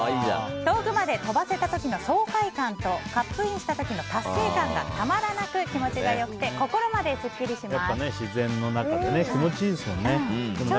遠くまで飛ばせた時の爽快感とカップインした時の達成感がたまらなく気持ちが良くて心までスッキリします。